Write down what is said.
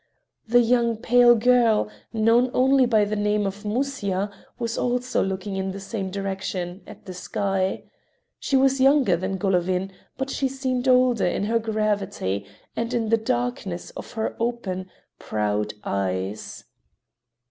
The young, pale girl, known only by the name of Musya, was also looking in the same direction, at the sky. She was younger than Golovin, but she seemed older in her gravity and in the darkness of her open, proud eyes.